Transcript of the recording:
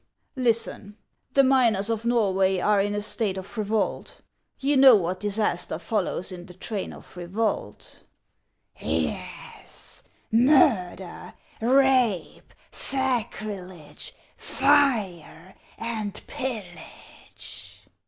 Listen : The miners of Xorway are in a state of revolt. You know what disaster follows in the train of revolt." " Yes, — murder, rape, sacrilege, fire, and pillage."